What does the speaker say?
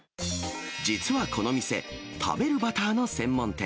実はこの店、食べるバターの専門店。